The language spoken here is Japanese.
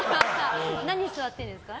何に座ってるんですか？